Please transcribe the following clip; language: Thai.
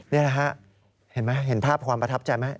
นี่แหละฮะเห็นไหมเห็นภาพความประทับใจไหม